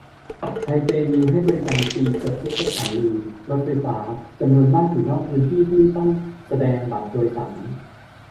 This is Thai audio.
ไทเปมีให้ใช้ฟรีเกือบทุกสถานีรถไฟฟ้า จำนวนมากอยู่นอกพื้นที่ที่ต้องแสดงบัตรโดยสาร